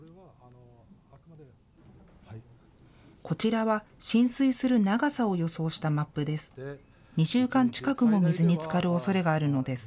こちらは浸水する長さを予想したマップです。